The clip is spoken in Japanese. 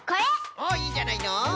おっいいじゃないの。